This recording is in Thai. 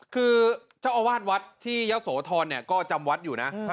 คือเจ้าอาวาสวัดที่ยะโสธรก็จำวัดอยู่นะ